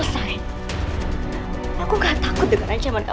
pak sepertinya ada keributan pak coba liat